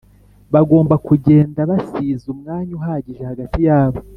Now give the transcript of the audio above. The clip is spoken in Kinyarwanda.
bagomba kugenda basize Umwanya uhagije hagati yabo